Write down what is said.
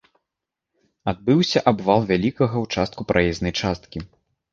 Адбыўся абвал вялікага ўчастка праезнай часткі.